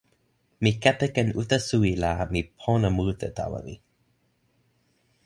mi kepeken uta suwi la mi pona mute tawa mi.